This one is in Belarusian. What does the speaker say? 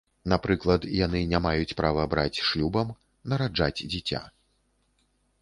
Напрыклад, яны не маюць права браць шлюбам, нараджаць дзіця.